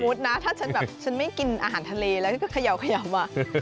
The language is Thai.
สมมุตินะถ้าฉันแบบฉันไม่กินอาหารทะเลแล้วก็เขย่ามา